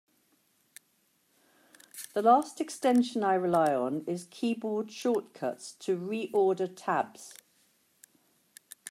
The last extension I rely on is Keyboard Shortcuts to Reorder Tabs.